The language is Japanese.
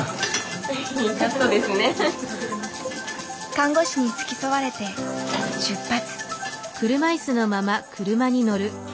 看護師に付き添われて出発。